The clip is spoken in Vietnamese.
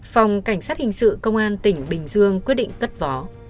phòng cảnh sát hình sự công an tỉnh bình dương quyết định cất vó